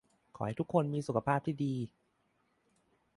ขอให้ทุกคนมีสุขภาพที่ดี